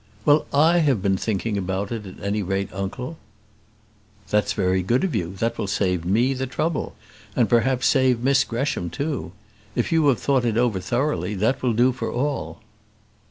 "Well, I have been thinking about it, at any rate, uncle." "That's very good of you; that will save me the trouble; and perhaps save Miss Gresham too. If you have thought it over thoroughly, that will do for all."